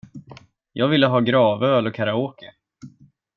Jag ville ha gravöl och karaoke.